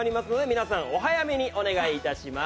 皆さんお早めにお願い致します。